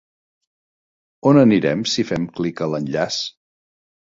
On anirem si fem clic a l'enllaç?